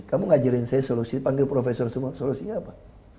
kamu ngajarin saya solusi panggil profesor semua solusinya apa